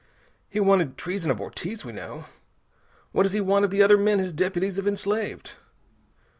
He wanted treason of Ortiz, we know. What does he want of the other men his deputies have enslaved?